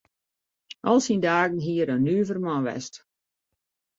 Al syn dagen hie er in nuver man west.